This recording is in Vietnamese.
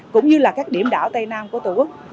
cũng như là các điểm đảo tây nam của tổ quốc